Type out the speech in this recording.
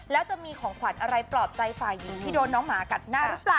แล้วจะมีของขวัญอะไรปลอบใจฝ่ายหญิงที่โดนน้องหมากัดหน้าหรือเปล่า